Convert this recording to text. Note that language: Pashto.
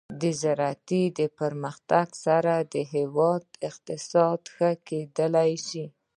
د زراعتي پرمختګ سره د هیواد اقتصاد ښه کیدلی شي.